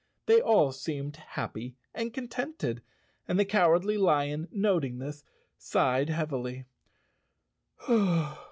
They all seemed happy and contented and the Cowardly Lion, noting this, sighed heavily.